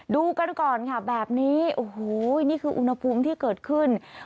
ดูกันก่อนค่ะแบบนี้โอ้โหนี่คืออุณหภูมิที่เกิดขึ้น